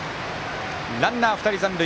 ランナー、２人残塁。